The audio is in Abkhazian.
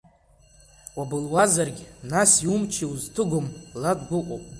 Уабылуазаргь, нас, иумчи, иузҭыгом, ла дгәыкуп!